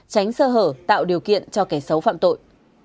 tránh sơ hở tạo điều kiện cho kẻ xấu phạm tội